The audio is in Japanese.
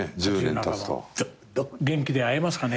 元気で会えますかね。